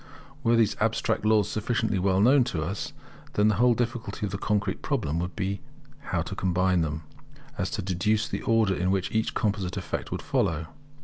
Were these abstract laws sufficiently well known to us, then the whole difficulty of the concrete problem would be so to combine them, as to deduce the order in which each composite effect would follow.